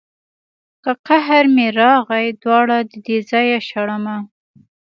که قار مې راغی دواړه ددې ځايه شړمه.